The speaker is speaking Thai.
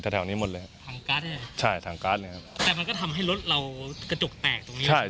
ถั่งการ์ดใช่ไหมใช่ถั่งการ์ดนี่ครับแต่มันก็ทำให้รถเรากระจกแตกตรงนี้ใช่ไหม